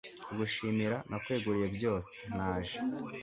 kugushimira, nakweguriye byose, naje